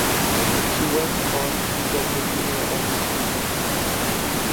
She went on to become the winner of this season.